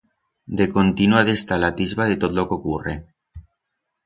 De contino ha d'estar a l'atisba de tot lo que ocurre.